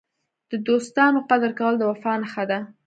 د دوستانو قدر کول د وفا نښه ده.